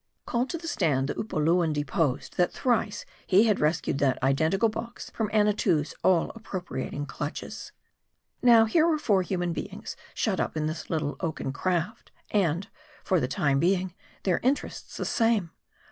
" Called to the stand, the Upoluan deposed, that thrice he had rescued that identical box from Annatoo's all appropria ting clutches. 138 HARD I. Now, here were four human beings shut up in this little oaken craft, and, for the time being, their interests the same.